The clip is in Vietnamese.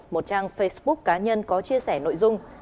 một trang facebook cá nhân có chia sẻ nội dung